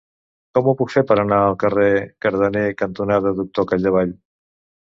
Com ho puc fer per anar al carrer Cardener cantonada Doctor Cadevall?